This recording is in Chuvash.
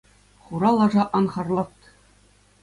Хура лаша, ан хартлат.